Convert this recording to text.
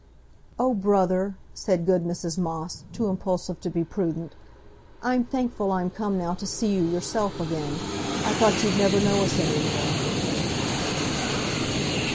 "Oh, brother!" said good Mrs Moss, too impulsive to be prudent, "I'm thankful I'm come now to see you yourself again; I thought you'd never know us any more."